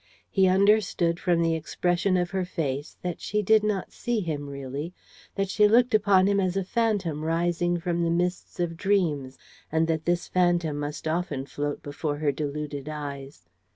He understood, from the expression of her face, that she did not see him, really, that she looked upon him as a phantom rising from the mists of dreams and that this phantom must often float before her deluded eyes.